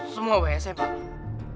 semua wc pak